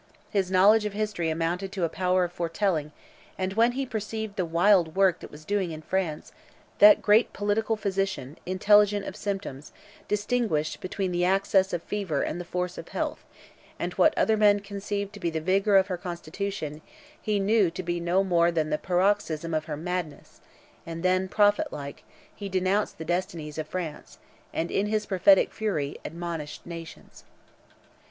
His knowledge of history amounted to a power of foretelling; and when he perceived the wild work that was doing in France, that great political physician, intelligent of symptoms, distinguished between the access of fever and the force of health; and what other men conceived to be the vigour of her constitution, he knew to be no more than the paroxysm of her madness; and then, prophet like, he denounced the destinies of France, and in his prophetic fury, admonished nations."